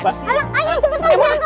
alah ayo cepetan